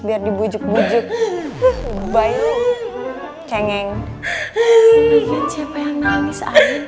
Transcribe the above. biar dibujuk bujuk bayi kengeng siapa yang nangis